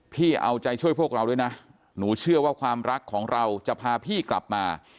พี่เอาใจช่วยพวกเราด้วยนะหนูเชื่อว่าความรักของเราจะพาพี่กลับมา